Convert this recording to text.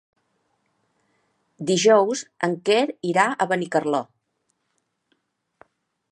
Dijous en Quer irà a Benicarló.